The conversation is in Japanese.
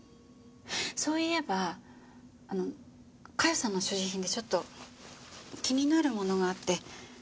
そういえば加代さんの所持品でちょっと気になるものがあって。